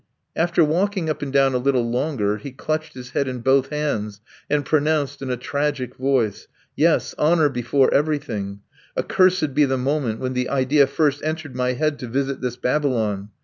After walking up and down a little longer he clutched his head in both hands and pronounced in a tragic voice: "Yes, honour before everything! Accursed be the moment when the idea first entered my head to visit this Babylon!